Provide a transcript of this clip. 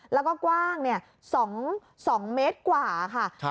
แล้วก็กว้าง๒เมตรกว่าค่ะ